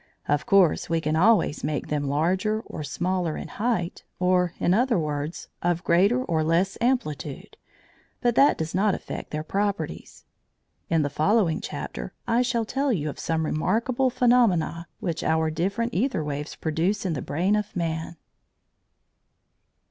Of course we can also make them larger or smaller in height, or, in other words, of greater or less amplitude, but that does not affect their properties. In the following chapter I shall tell you of some remarkable phenomena which our different æther waves produce in the brain of man.